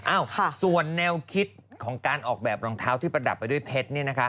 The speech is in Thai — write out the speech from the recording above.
ส่วนแนวคิดของการออกแบบรองเท้าที่ประดับไปด้วยเพชร